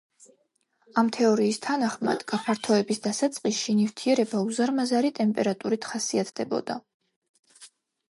ამ თეორიის თანახმად, გაფართოების დასაწყისში ნივთიერება უზარმაზარი ტემპერატურით ხასიათდებოდა.